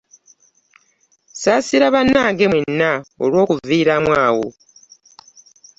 Nsaasira bannange mwenna olw'okuviiramu awo.